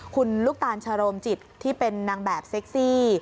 คุณลูกตาลชะโรมจิตที่เป็นนางแบบเซ็กซี่